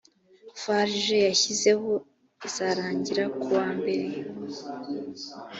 farg yashyizeho izarangira kuwa mbere